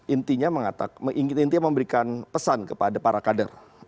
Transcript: intinya memberikan pesan kepada para kader